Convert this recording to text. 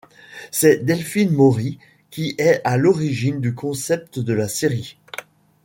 C'est Delphine Maury qui est à l'origine du concept de la série.